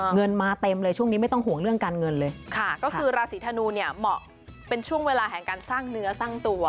เงินมาเต็มเลยช่วงนี้ไม่ต้องห่วงเรื่องการเงินเลยค่ะก็คือราศีธนูเนี่ยเหมาะเป็นช่วงเวลาแห่งการสร้างเนื้อสร้างตัว